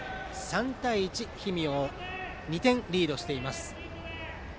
３対１氷見を２点リードしています。